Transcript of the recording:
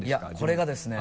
これがですね。